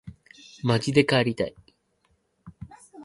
まじで帰りたい